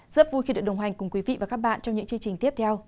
rất vui khi được đồng hành cùng quý vị và các bạn trong những chương trình tiếp theo